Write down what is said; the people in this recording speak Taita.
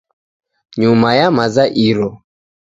Nyuma ya maza iro